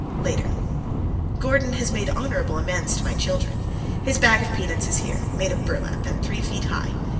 LATER. Gordon has made honorable amends to my children. His bag of peanuts is here, made of burlap and three feet high.